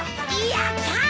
やったー！